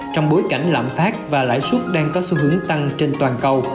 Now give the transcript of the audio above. trong bối cảnh lạm phát và lãi suất đang có xu hướng tăng trên toàn cầu